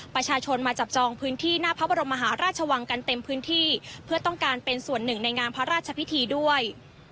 ประชาชนมาจับจองพื้นที่หน้าพระบรมมหาราชวังกันเต็มพื้นที่เพื่อต้องการเป็นส่วนหนึ่งในงานพระราชพิธีด้วย